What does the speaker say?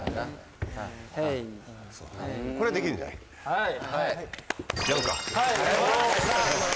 はい！